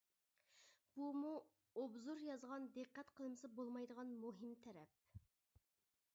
بۇمۇ ئوبزور يازغاندا دىققەت قىلمىسا بولمايدىغان مۇھىم تەرەپ.